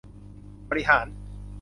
บริหาร